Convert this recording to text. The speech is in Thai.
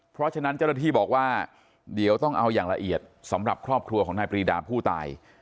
เพราะฉะนั้นเจ้าหน้าที่บอกว่าเดี๋ยวต้องเอาอย่างละเอียดสำหรับครอบครัวของนายปรีดาผู้ตาย